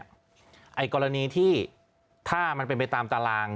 ไอ้กรณีที่ถ้ามันเป็นไปตามตาราง